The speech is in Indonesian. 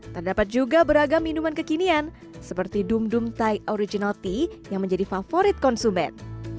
terdapat juga beragam minuman kekinian seperti dum dum thai original tea yang menjadi favorit konsumen